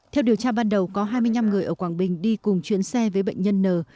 theo điều tra ban đầu có hai mươi năm người ở quảng bình đi cùng chuyến xe với bệnh nhân n